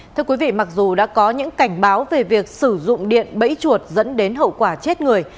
thưa quý vị mặc dù đã có những cảnh báo về việc sử dụng điện bẫy chuột dẫn đến hậu quả chết người